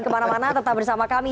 kemana mana tetap bersama kami